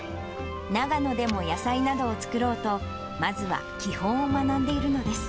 長野でも野菜などを作ろうと、まずは基本を学んでいるのです。